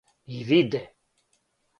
И виде